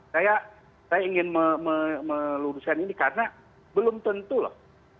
saya ingin meluruskan ini karena belum tentu loh